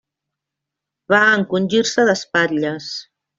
Va encongir-se d'espatlles.